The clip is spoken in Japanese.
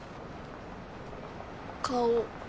顔。